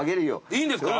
いいんですか？